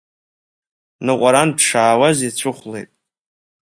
Ныҟәарантә дшаауаз ицәыхәлеит.